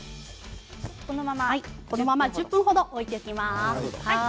このまま１０分程置いておきます。